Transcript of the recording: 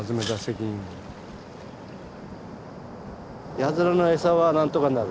やつらの餌はなんとかなる。